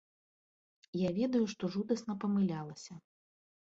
Я ведаю, што жудасна памылялася.